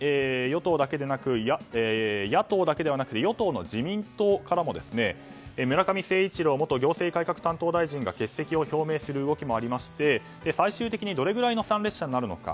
更に、野党だけではなく与党の自民党からも村上誠一郎元行革担当大臣が欠席を表明する動きもありまして最終的にどれぐらいの参列者になるのか。